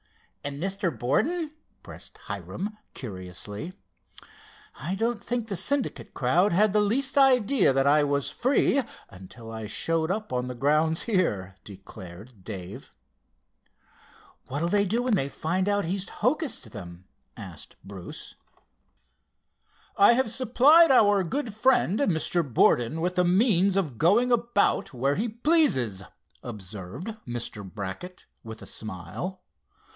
"And Mr. Borden?" pressed Hiram curiously. "I don't think the Syndicate crowd had the least idea that I was free until I showed up on the grounds here," declared Dave. "What'll they do when they find out he's hocussed them?" asked Bruce. "I have supplied our good friend, Mr. Borden, with the means of going about where he pleases," observed Mr. Brackett with a smile.